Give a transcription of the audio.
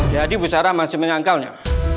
jadi bu sarah masih menyangkalnya